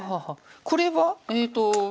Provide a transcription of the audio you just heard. これはえっと